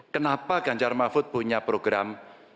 kenapa ganjar mahfud punya program